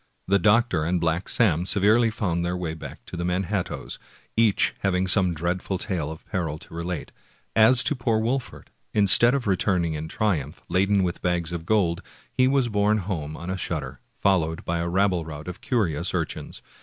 The doctor and Black Sam severally found their way back to the Manhat toes, each having some dreadful tale of peril to relate. As to poor Wolfert, instead of returning in triumph, laden with bags of gold, he was borne home on a shutter, fol lowed by a rabble rout ^ of curious urchins.